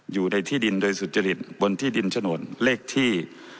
อยู่ในที่ดินโดยสุจริตบนที่ดินฉนวนเลขที่